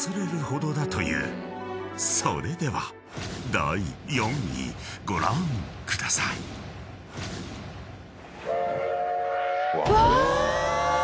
［それでは第４位ご覧ください］うわ！